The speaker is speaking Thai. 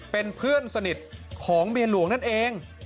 เป็นเพื่อนสนิทของเมียหลวงนั่นเอง